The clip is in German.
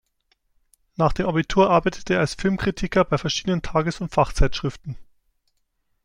Nach dem Abitur arbeitete er als Filmkritiker bei verschiedenen Tages- und Fachzeitschriften.